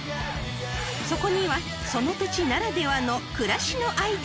［そこにはその土地ならではの暮らしのアイデア］